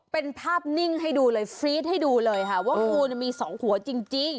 เป็นภาพนิ่งให้ดูเลยฟรีดให้ดูเลยค่ะว่างูมีสองหัวจริง